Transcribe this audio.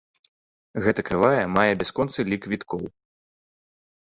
Гэта крывая мае бясконцы лік віткоў.